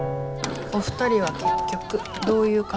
お二人は結局どういう関係なんですか？